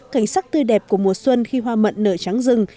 cảnh sắc tươi đẹp của mùa xuân khi hoa mận nở trắng rừng